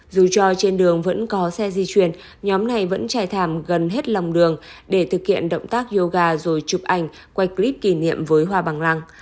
dù cho trên đường vẫn có xe di chuyển nhóm này vẫn trải thảm gần hết lòng đường để thực hiện động tác yoga rồi chụp ảnh quay clip kỷ niệm với hoa bằng lăng